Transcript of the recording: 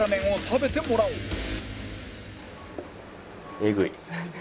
えぐい。